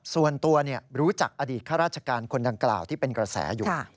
ส่วนตัวรู้จักอดีตข้าราชการคนดังกล่าวที่เป็นกระแสอยู่